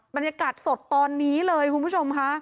บรรยากาศสดตอนนี้เลยคุณผู้ชมค่ะ